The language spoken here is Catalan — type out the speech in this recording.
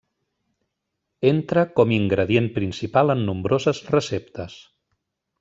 Entra com ingredient principal en nombroses receptes.